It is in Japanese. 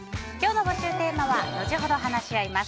募集テーマは後ほど話し合います